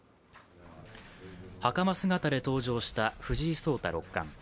はかま姿で登場した藤井聡太六冠。